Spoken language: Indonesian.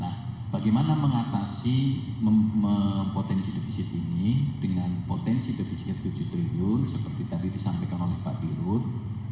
nah bagaimana mengatasi potensi defisit ini dengan potensi defisit tujuh triliun seperti tadi disampaikan oleh pak dirut